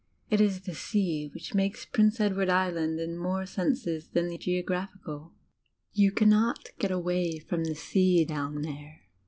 It is the sea which makes Prince Edward Island in more senses than the geographical. You cannot get away from the sea down there.